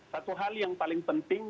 satu hal yang paling penting